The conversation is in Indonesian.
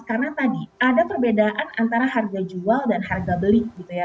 karena tadi ada perbedaan antara harga jual dan harga beli gitu ya